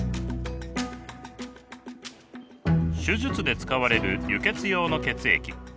手術で使われる輸血用の血液。